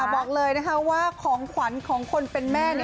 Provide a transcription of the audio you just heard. บอกเลยนะคะว่าของขวัญของคนเป็นแม่